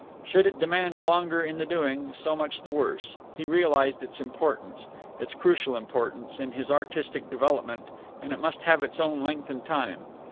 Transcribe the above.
Should it demand longer in the doing, so much the worse; he realised its importance, its crucial importance, in his artistic development, and it must have its own length and time.